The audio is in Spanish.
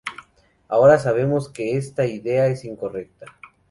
Ahora sabemos que esta idea es incorrecta.